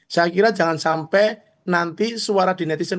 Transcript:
saya kira jangan sampai nanti suara di netizen